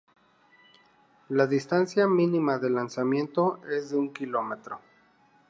La distancia mínima de lanzamiento es de un kilómetro.